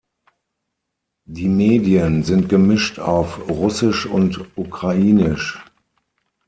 Die Medien sind gemischt auf Russisch und Ukrainisch.